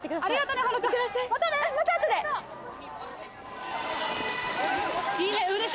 ありがとう